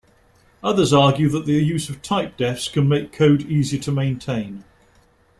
Others argue that the use of typedefs can make code easier to maintain.